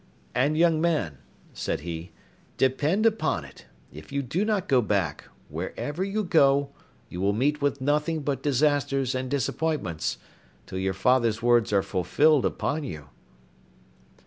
"And, young man," said he, "depend upon it, if you do not go back, wherever you go, you will meet with nothing but disasters and disappointments, till your father's words are fulfilled upon you."